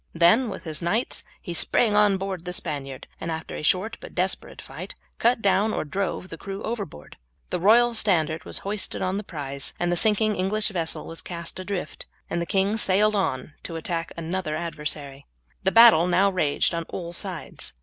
Then with his knights he sprang on board the Spaniard, and after a short but desperate fight cut down or drove the crew overboard. The royal standard was hoisted on the prize, the sinking English vessel was cast adrift, and the king sailed on to attack another adversary. The battle now raged on all sides.